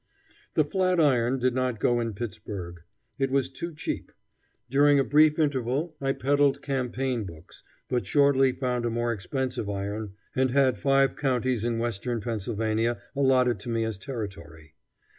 The flat iron did not go in Pittsburg. It was too cheap. During a brief interval I peddled campaign books, but shortly found a more expensive iron, and had five counties in western Pennsylvania allotted to me as territory.